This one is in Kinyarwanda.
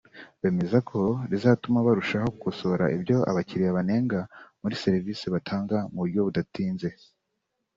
bemeza ko rizatuma barushaho gukosora ibyo abakiriya banenga muri serivise batanga mu buryo budatinze